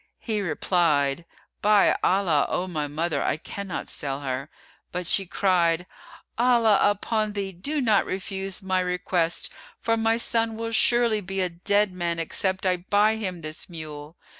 He replied, "By Allah, O my mother, I cannot sell her." But she cried, "Allah upon thee, do not refuse my request, for my son will surely be a dead man except I buy him this mule."